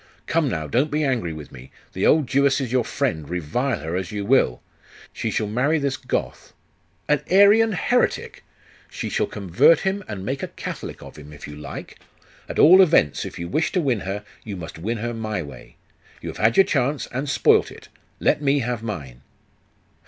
Come now, don't be angry with me. The old Jewess is your friend, revile her as you will. She shall marry this Goth.' 'An Arian heretic!' 'She shall convert him and make a Catholic of him, if you like. At all events, if you wish to win her, you must win her my way. You have had your chance, and spoiled it. Let me have mine.